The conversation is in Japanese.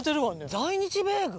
「在日米軍」？